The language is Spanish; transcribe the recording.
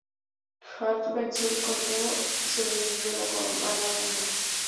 Hart venció el conteo y sobrevivió a la ronda.